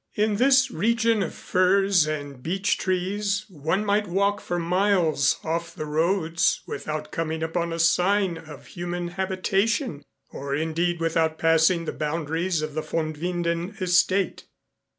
In this region of firs and beech trees one might walk for miles off the roads without coming upon a sign of human habitation, or indeed without passing the boundaries of the von Winden estate.